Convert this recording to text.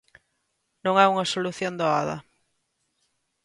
Non é unha solución doada.